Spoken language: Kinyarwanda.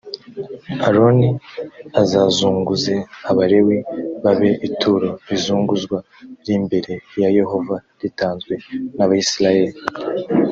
aroni azazunguze abalewi babe ituro rizunguzwa r imbere ya yehova ritanzwe n abisirayeli